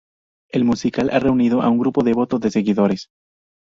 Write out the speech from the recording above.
El musical ha reunido a un grupo devoto de seguidores.